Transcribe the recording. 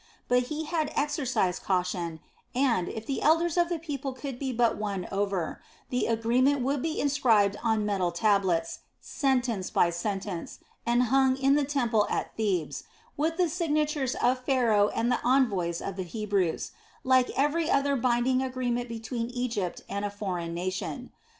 But he had exercised caution and, if the elders of the people could but be won over, the agreement would be inscribed on metal tables, sentence by sentence, and hung in the temple at Thebes, with the signatures of Pharaoh and the envoys of the Hebrews, like every other binding agreement between Egypt and a foreign nation.